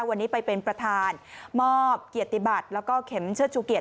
วันนี้ไปเป็นประธานมอบเกียรติบัตรแล้วก็เข็มเชิดชูเกียรติ